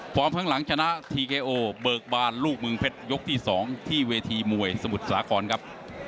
พร้อมข้างหลังชนะทีเคโอบริกบานลูกมึงเพชรยกที่สองที่เวทีมวยสมุทรสากรครับ